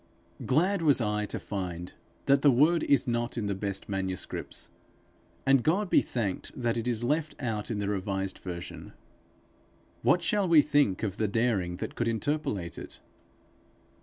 Glad was I to find that the word is not in the best manuscripts; and God be thanked that it is left out in the revised version. What shall we think of the daring that could interpolate it!